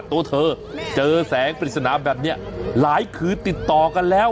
ตัวเธอเจอแสงปริศนาแบบนี้หลายคืนติดต่อกันแล้ว